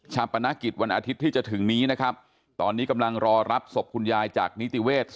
ปนกิจวันอาทิตย์ที่จะถึงนี้นะครับตอนนี้กำลังรอรับศพคุณยายจากนิติเวศ